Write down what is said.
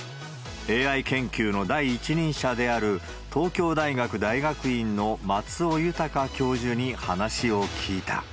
ＡＩ研究の第一人者である、東京大学大学院の松尾豊教授に話を聞いた。